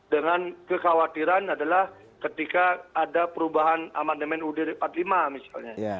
dengan kekhawatiran adalah ketika ada perubahan amandemen ud empat puluh lima misalnya